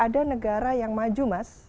ada negara yang maju mas